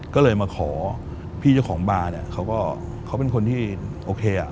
ก็เลยมาขอพี่เจ้าของบาร์เนี่ยเขาก็เขาเป็นคนที่โอเคอ่ะ